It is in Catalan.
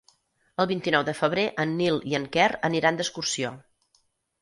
El vint-i-nou de febrer en Nil i en Quer aniran d'excursió.